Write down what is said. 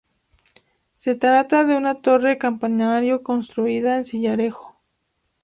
Se trata de una torre campanario construida en sillarejo.